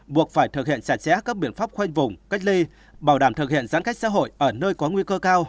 buộc phải thực hiện chặt chẽ các biện pháp khoanh vùng cách ly bảo đảm thực hiện giãn cách xã hội ở nơi có nguy cơ cao